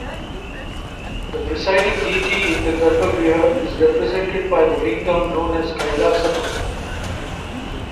The presiding deity in the garbhagriha is represented by the "lingam" known as Kailasanathar.